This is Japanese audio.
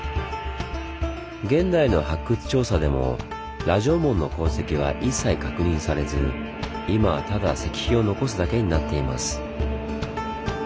現代の発掘調査でも羅城門の痕跡は一切確認されず今はただ石碑を残すだけになっています。